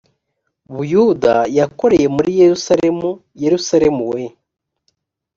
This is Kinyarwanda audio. buyuda yakoreye muri yerusalemu m yerusalemu we